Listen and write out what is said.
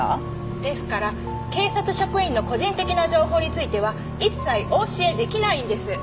ですから警察職員の個人的な情報については一切お教え出来ないんです。